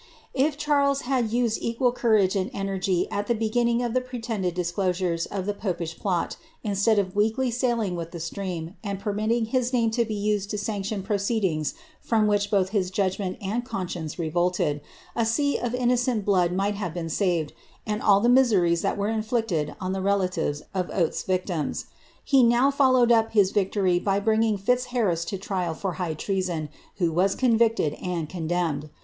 If CharlcH had used equal courai^c and energy at the beginning oTtht pretended dis:closures of the popish plot, instead of weakly sailing with the stream, and })ermitting hh name to be uaied to sanction proceediugs from which buth his judgment and conscience rerolted, a sea of inno cent blood might have been saved, and all the miseries which were in llleted on the relatives of Oates^s victims. He now followed up his victory by bringing Fitzharris to trial for high treason, who was roo victed and condemned.